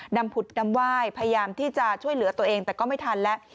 ผุดดำไหว้พยายามที่จะช่วยเหลือตัวเองแต่ก็ไม่ทันแล้ว